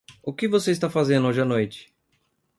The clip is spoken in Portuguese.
o que você está fazendo hoje à noite?